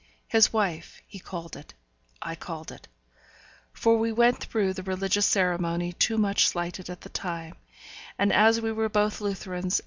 His wife he called it, I called it; for we went through the religious ceremony too much slighted at the time, and as we were both Lutherans, and M.